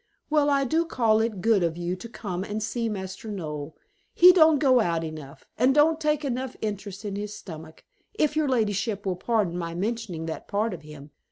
"Well, I do call it good of you to come and see Master Noel. He don't go out enough, and don't take enough interest in his stomach, if your ladyship will pardon my mentioning that part of him.